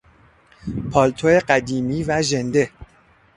پالتو قدیمی و ژنده